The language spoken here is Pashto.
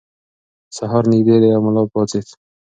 سهار نږدې دی او ملا پاڅېد.